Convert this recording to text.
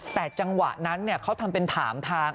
แต่จังหวะนั้นเขาทำเป็นถามทาง